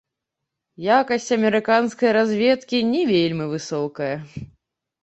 Якасць амерыканскай разведкі не вельмі высокая.